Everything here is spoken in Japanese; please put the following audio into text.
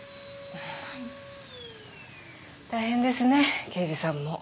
大変ですね刑事さんも。